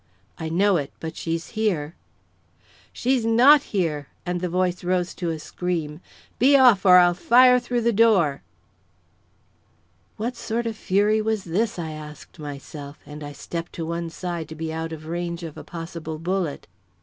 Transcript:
"I know it; but she's here." "She's not here!" and the voice rose to a scream. "Be off, or I'll fire through the door!" What sort of fury was this, I asked myself, and I stepped to one side to be out of range of a possible bullet.